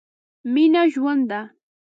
مينه ژوند ده.